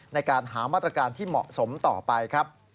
ในการหามาตรการที่เหมาะสมต่อไปครับ